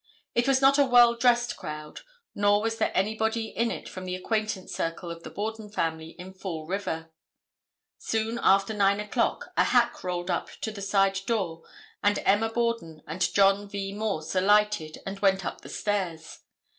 It was not a well dressed crowd, nor was there anybody in it from the acquaintance circle of the Borden family in Fall River. Soon after 9 o'clock, a hack rolled up to the side door and Emma Borden and John V. Morse alighted and went up the stairs.